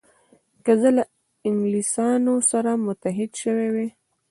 که زه له انګلیسانو سره متحد شوی وای.